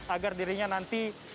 agar dirinya nanti bisa berhasil berjaya